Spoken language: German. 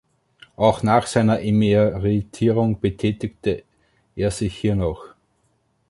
Auch nach seiner Emeritierung betätigte er sich hier noch.